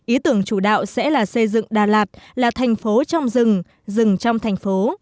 ý tưởng chủ đạo sẽ là xây dựng đà lạt là thành phố trong rừng rừng trong thành phố